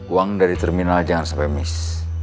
uang dari terminal jangan sampai miss